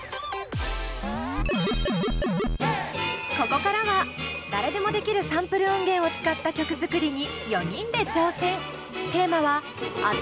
ここからは誰でもできるサンプル音源を使った曲作りに４人で挑戦。